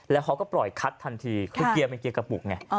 แล้วเขาก็ปล่อยคัดทันทีคือเกียร์เป็นเกียร์กระปุกไง